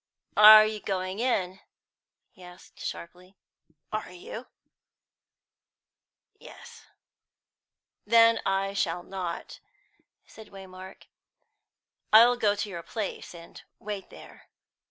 "Are you going in?" he said sharply. "Are you?" "Yes." "Then I shall not," said Waymark. "I'll go to your place, and wait there."